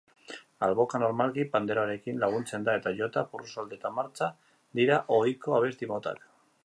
Alboka, normalki, panderoarekin laguntzen da, eta jota, porrusalda eta martxa dira ohiko abesti motak